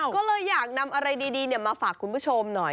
ก็เลยอยากนำอะไรดีมาฝากคุณผู้ชมหน่อย